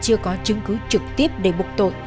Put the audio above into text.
cơ quan điều tra chưa có chứng cứ trực tiếp để buộc tội